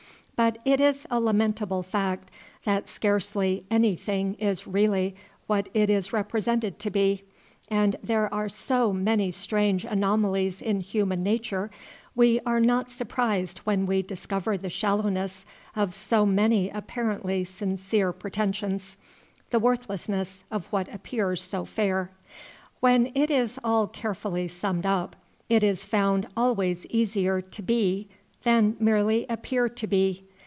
But it is a lamentable fact that scarcely any thing is really what it is represented to be. As there are so many strange anomalies in human nature, we are not surprised when we discover the shallowness of so many apparently sincere pretensions, the worthlessness of what appears so fair. When it is all carefully summed up, it is found always easier to be than merely appear to be.